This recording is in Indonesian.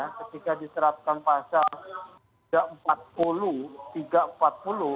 ketika diterapkan pasal tiga ratus empat puluh tiga ratus empat puluh